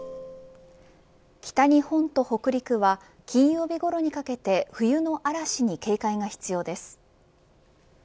北日本と北陸は金曜日ごろにかけて冬の嵐に警戒が必要です。